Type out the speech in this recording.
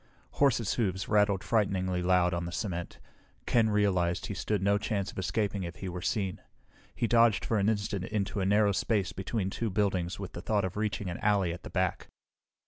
Horses' hoofs rattled frighteningly loud on the cement. Ken realized he stood no chance of escaping if he were seen. He dodged for an instant into a narrow space between two buildings with the thought of reaching an alley at the back.